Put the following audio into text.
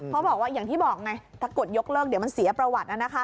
เขาบอกว่าอย่างที่บอกไงถ้ากดยกเลิกเดี๋ยวมันเสียประวัติ